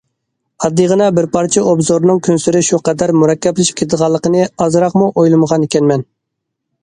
ئاددىيغىنە بىر پارچە ئوبزورنىڭ كۈنسېرى شۇ قەدەر مۇرەككەپلىشىپ كېتىدىغانلىقىنى ئازراقمۇ ئويلىمىغانىكەنمەن.